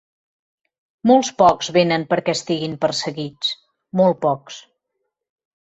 Molts pocs venen perquè estiguin perseguits, molt pocs.